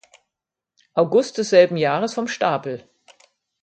August desselben Jahres vom Stapel.